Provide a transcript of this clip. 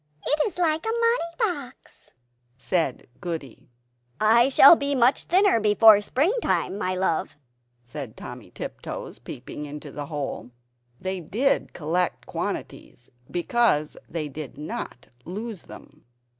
It is like a money box!" said Goody. "I shall be much thinner before springtime, my love," said Timmy Tiptoes, peeping into the hole. They did collect quantities because they did not lose them!